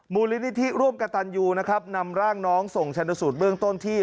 มูลนิธิร่วมกับตันยูนะครับนำร่างน้องส่งชนสูตรเบื้องต้นที่